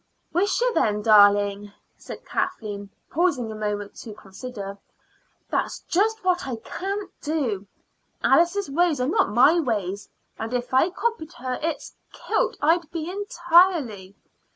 "Wisha, then, darling!" said Kathleen, pausing a moment to consider; "that's just what I can't do. Alice's ways are not my ways, and if I copied her it's kilt I'd be entirely.